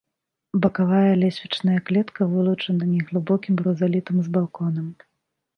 Бакавая лесвічная клетка вылучана неглыбокім рызалітам з балконам.